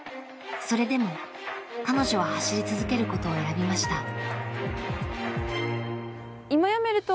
それでも彼女は走り続けることを選びました。